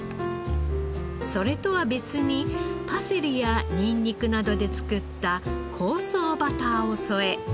それとは別にパセリやニンニクなどで作った香草バターを添え。